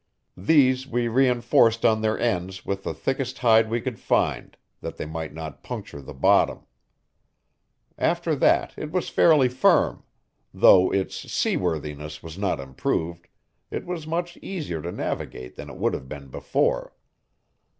These we reinforced on their ends with the thickest hide we could find, that they might not puncture the bottom. After that it was fairly firm; though its sea worthiness was not improved, it was much easier to navigate than it would have been before.